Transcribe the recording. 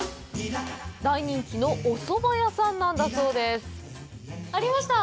大人気のおそば屋さんなんだそうです。ありました。